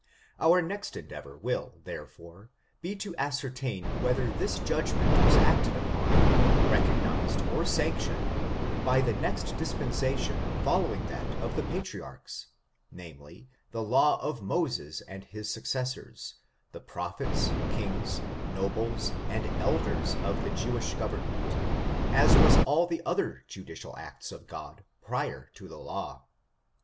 Our next en deavor will, therefore, be to ascertain whether this judgment was acted upon, recognized or sanctioned \ FORTUNES. OF THE NEQRO RACE. 106 by the next dispensation following that of the Patri archs, namely, the law of Moses and his successors — the prophets, kings, nobles and elders of the Jewish government — as was all the other judicial acts of God, prior to the law.